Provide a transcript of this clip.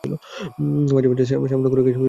মাঝে মাঝে সামান্য খোরাককেই যথেষ্ট মনে হত।